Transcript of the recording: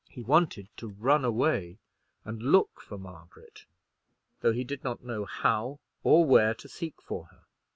He wanted to run away and look for Margaret, though he did not know how or where to seek for her.